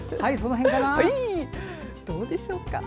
どうでしょうか。